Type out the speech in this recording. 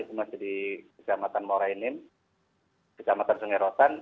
yang masih di kecamatan morainim kecamatan sungai rotan